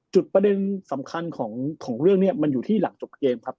ประเด็นสำคัญของเรื่องนี้มันอยู่ที่หลังจบเกมครับ